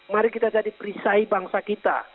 mari kita jadi perisai bangsa kita